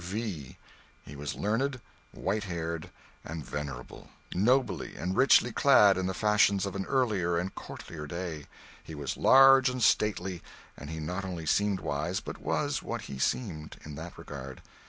F.V., he was learned, white haired and venerable, nobly and richly clad in the fashions of an earlier and a courtlier day, he was large and stately, and he not only seemed wise, but was what he seemed, in that regard.